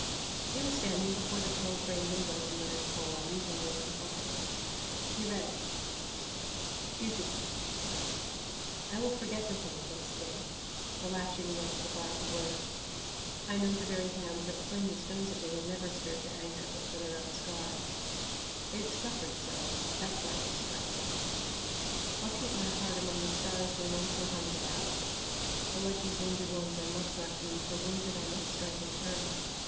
He was standing before the pearl framed and golden lettered poem, musingly inspecting it. He read it: FUGITIVE I will forget the things that sting: The lashing look, the barbed word. I know the very hands that fling The stones at me had never stirred To anger but for their own scars. They've suffered so, that's why they strike. I'll keep my heart among the stars Where none shall hunt it out. Oh, like These wounded ones I must not be, For, wounded, I might strike in turn!